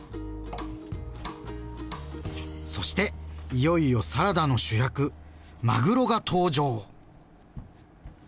そしていよいよサラダの主役まぐろが登場！